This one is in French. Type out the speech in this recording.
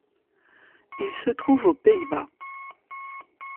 Il se trouve aux Pays-Bas.